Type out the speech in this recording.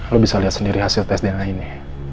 lo bisa lihat sendiri hasil tes dna ini